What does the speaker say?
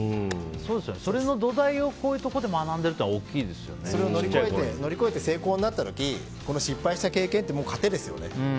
それの土台を、こういうところでそれを乗り越えて成功になった時この失敗した経験って糧ですよね。